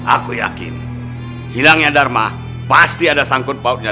aku yakin hilangnya dharma pasti ada sangkut pautnya